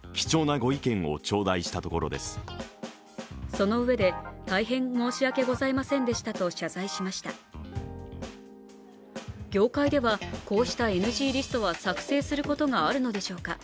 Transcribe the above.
そのうえで、大変申し訳ございませんでしたと謝罪しました業界では、こうしたＮＧリストは作成することがあるのでしょうか？